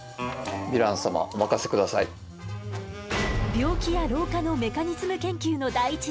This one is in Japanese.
病気や老化のメカニズム研究の第一人者